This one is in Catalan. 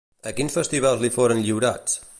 A quins festivals li foren lliurats?